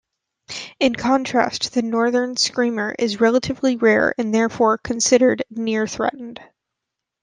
In contrast, the northern screamer is relatively rare and therefore considered near threatened.